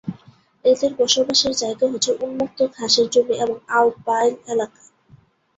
এদের বসবাসের জায়গা হচ্ছে উন্মুক্ত ঘাসের জমি এবং আলপাইন এলাকা।